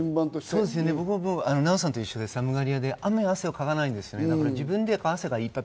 僕もナヲさんと一緒で、寒がりやであんまり汗かかないんです。